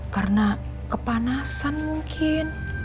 karena kepanasan mungkin